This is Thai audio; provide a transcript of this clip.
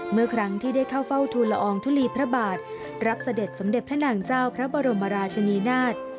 เมื่อครั้งที่ได้เข้าเฝ้าทุนละอองทุลีพระบาทรับเสด็จสมเด็จพระนางเจ้าพระบรมราชนีนาฏ